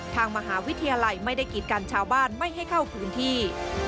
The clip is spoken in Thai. ทางมหาวิทยาลัยไม่ได้กิดกันชาวบ้านไม่ให้เข้าพื้นที่